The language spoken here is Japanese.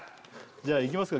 じゃあいきますか